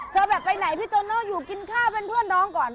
แบบไปไหนพี่โตโน่อยู่กินข้าวเป็นเพื่อนน้องก่อน